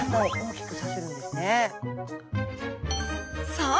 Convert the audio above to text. そう！